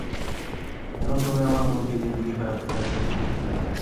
এখন তুমি আমার মনকে যে দিকে ফেরাতে চাও সেই দিকেই ফিরবে।